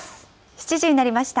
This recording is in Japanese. ７時になりました。